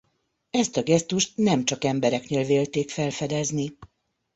Ezt a gesztust nem csak embereknél vélték felfedezni.